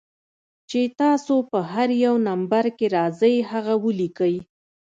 چې تاسو پۀ هر يو نمبر کښې راځئ هغه وليکئ